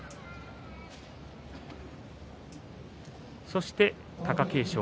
そして貴景勝